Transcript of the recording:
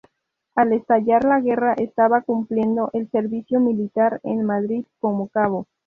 Al estallar la guerra estaba cumpliendo el servicio militar en Madrid como cabo.